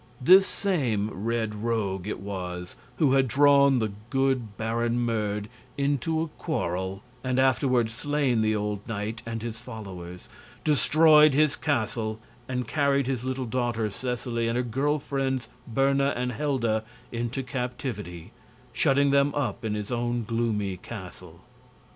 This same Red Rogue it was who had drawn the good Baron Merd into a quarrel and afterward slain the old knight and his followers, destroyed his castle, and carried his little daughter Seseley and her girl friends, Berna and Helda, into captivity, shutting them up in his own gloomy castle.